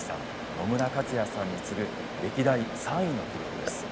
野村克也さんに次ぐ歴代３位の記録です。